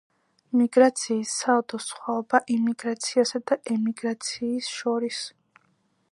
მიგრაციის სალდო-სხვაობა იმიგრაციასა და ემიგრაციის შორის